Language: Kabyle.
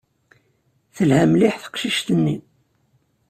Telha mliḥ teqcict-nni.